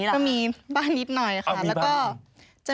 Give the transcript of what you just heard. ก็มีบานนิดน่อยค่ะ